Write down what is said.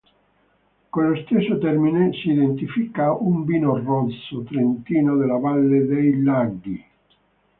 Con lo stesso termine si identifica un vino rosso trentino della valle dei Laghi.